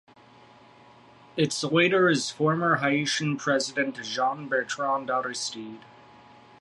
Its leader is former Haitian President Jean-Bertrand Aristide.